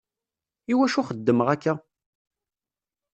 Iwacu xeddmeɣ akka?